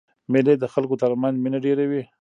مېلې د خلکو تر منځ مینه ډېروي.